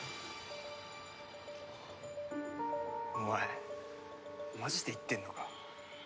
お前マジで言ってんのか？